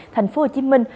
thành phố hồ chí minh